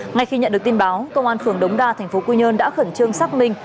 ngay khi nhận được tin báo công an phường đống đa thành phố quy nhơn đã khẩn trương xác minh